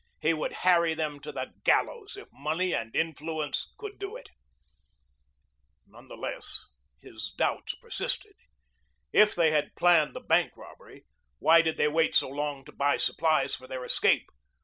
He would harry them to the gallows if money and influence could do it. None the less, his doubts persisted. If they had planned the bank robbery, why did they wait so long to buy supplies for their escape?